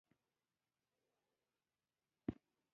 بېنډۍ د وجود عمومي روغتیا ته ګټه لري